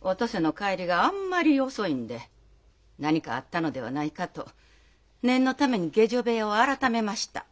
お登勢の帰りがあんまり遅いんで何かあったのではないかと念のために下女部屋をあらためました。